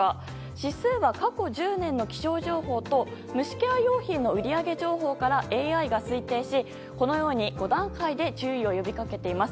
指数は、過去１０年の気象情報と虫ケア用品の売り上げ情報からＡＩが推定し、このように５段階で注意を呼びかけています。